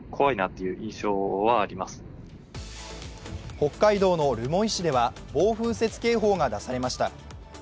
北海道の留萌市では暴風雪警報が出されました。